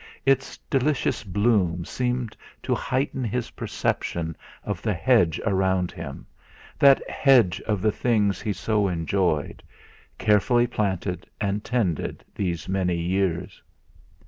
Its delicious bloom seemed to heighten his perception of the hedge around him, that hedge of the things he so enjoyed, carefully planted and tended these many years.